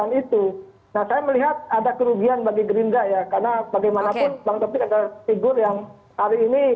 nah saya melihat ada kerugian bagi gerindra ya karena bagaimanapun bang taufik adalah figur yang hari ini